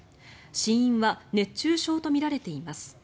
死因は熱中症とみられています。